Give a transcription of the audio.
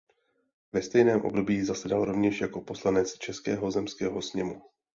Ve stejném období zasedal rovněž jako poslanec Českého zemského sněmu.